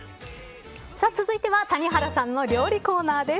続いては谷原さんの料理コーナーです。